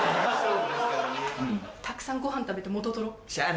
たくさんごはん食べて元取ろう。